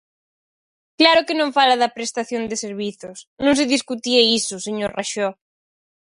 Claro que non fala da prestación de servizos, non se discutía iso, señor Raxó.